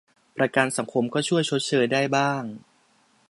ประกันสังคมก็ช่วยชดเชยได้บ้าง